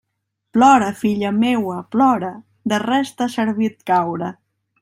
Plora, filla meua, plora; de res t'ha servit caure.